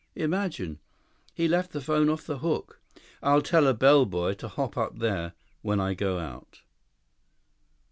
Imagine! He left the phone off the hook. I'll tell a bellboy to hop up there when I go out."